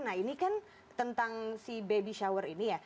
nah ini kan tentang si baby shower ini ya